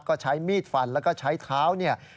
ก็ใช้มีดฟันแล้วก็ใช้เท้า